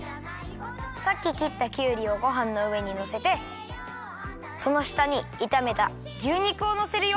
さっききったきゅうりをごはんのうえにのせてそのしたにいためた牛肉をのせるよ。